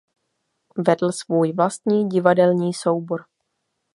Vedl svůj vlastní divadelní soubor.